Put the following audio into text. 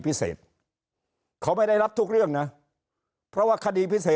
พิเศษเขาไม่ได้รับทุกเรื่องนะเพราะว่าคดีพิเศษ